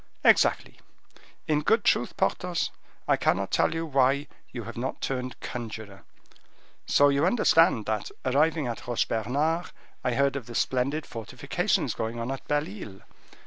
'" "Exactly. In good truth, Porthos, I cannot tell why you have not turned conjuror. So you understand that, arriving at Roche Bernard, I heard of the splendid fortifications going on at Belle Isle.